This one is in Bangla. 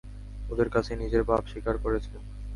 ওদের কাছে নিজের পাপ স্বীকার করেছেন।